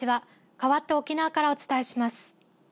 かわって沖縄からお伝えします。